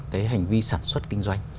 cái hành vi sản xuất kinh doanh